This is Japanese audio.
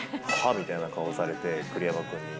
みたいな顔されて栗山君に。